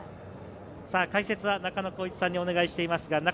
解説は中野浩一さんにお願いしています。